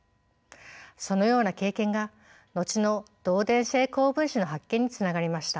そのような経験が後の導電性高分子の発見につながりました。